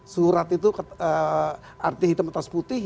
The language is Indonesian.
surat itu arti hitam atas putih